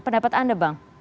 pendapat anda bang